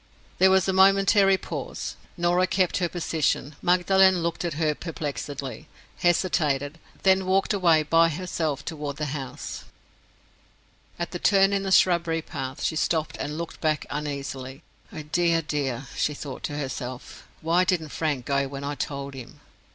There was a momentary pause. Norah kept her position. Magdalen looked at her perplexedly—hesitated—then walked away by herself toward the house. At the turn in the shrubbery path she stopped and looked back uneasily. "Oh, dear, dear!" she thought to herself, "why didn't Frank go when I told him?"